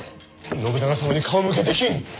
信長様に顔向けできん！